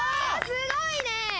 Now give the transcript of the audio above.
すごいね！